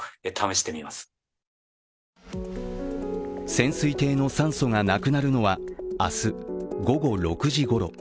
潜水艇の酸素がなくなるのは明日午後６時ごろ。